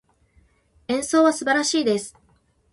演奏は素晴らしいです。